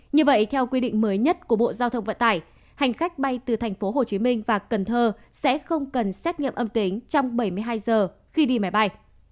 như vậy theo quy định mới nhất của bộ giao thông vận tải hành khách bay từ tp hcm và cần thơ sẽ không cần xét nghiệm âm tính trong bảy mươi hai giờ khi đi máy bay